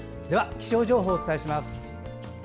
気象情報をお伝えします。